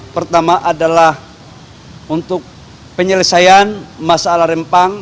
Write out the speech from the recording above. pertama adalah untuk penyelesaian masalah rempang